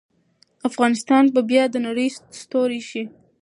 افغانستان به بیا د نړۍ ستوری شي.